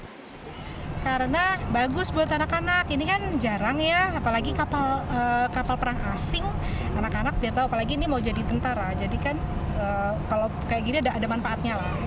karena bagus buat anak anak ini kan jarang ya apalagi kapal perang asing anak anak biar tahu apalagi ini mau jadi tentara jadi kan kalau kayak gini ada manfaatnya lah